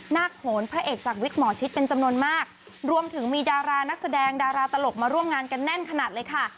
โหนพระเอกจากวิกหมอชิดเป็นจำนวนมากรวมถึงมีดารานักแสดงดาราตลกมาร่วมงานกันแน่นขนาดเลยค่ะ